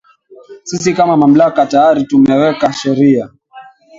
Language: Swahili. Sisi kama Mamlaka tayari tumeweka sheria